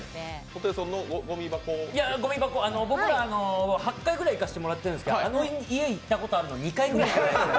ホテイソンのごみ箱僕ら８回ぐらい行かせてもらったんですけど、あの家行ったことがあるの２回くらいですよ。